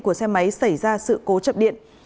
của xe máy xảy ra sự cố chập điện